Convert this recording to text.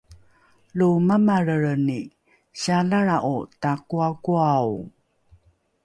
lo mamalrelreni sialalra’o takoakoao